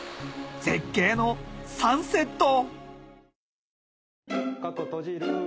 絶景のサンセット！